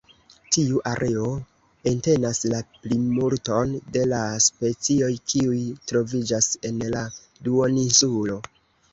Tiu areo entenas la plimulton de la specioj kiuj troviĝas en la duoninsulo.